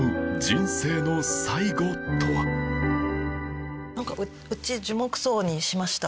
まさにうち樹木葬にしました。